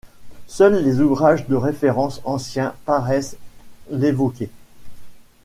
Seuls les ouvrages de référence anciens paraissent l'évoquer.